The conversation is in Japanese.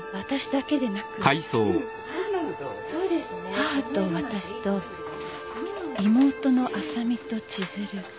母と私と妹の麻美と千鶴。